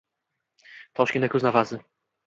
Toshkentda kuz nafasi